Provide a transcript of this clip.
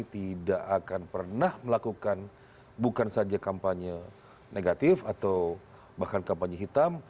tidak akan pernah melakukan bukan saja kampanye negatif atau bahkan kampanye hitam